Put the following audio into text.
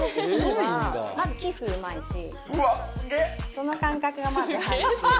その感覚がまず入ってるのと。